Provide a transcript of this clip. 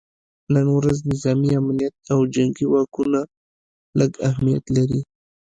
نن ورځ نظامي امنیت او جنګي واکونه لږ اهمیت لري